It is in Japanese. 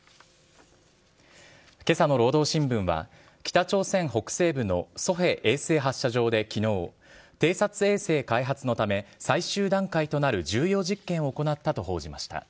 けさの労働新聞は、北朝鮮北西部のソヘ衛星発射場できのう、偵察衛星開発のため、最終段階となる重要実験を行ったと報じました。